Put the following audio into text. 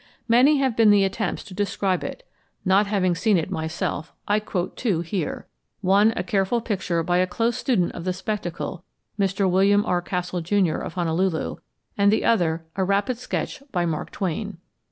Many have been the attempts to describe it. Not having seen it myself, I quote two here; one a careful picture by a close student of the spectacle, Mr. William R. Castle, Jr., of Honolulu; the other a rapid sketch by Mark Twain.